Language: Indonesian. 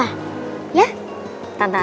aku ke ruangannya papa